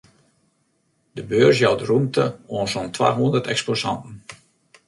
De beurs jout rûmte oan sa'n twahûndert eksposanten.